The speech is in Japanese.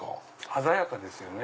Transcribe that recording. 鮮やかですよね。